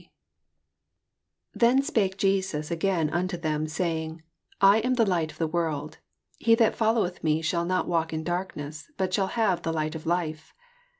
12 Then spake Jesns again unto tLem, saying, I am the light of the world: he that followeth me shall not walk in darkness, but shall have the light of life.